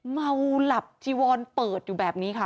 เมาหลับจีวอนเปิดอยู่แบบนี้ค่ะ